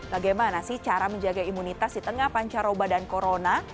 bagaimana sih cara menjaga imunitas di tengah pancaroba dan corona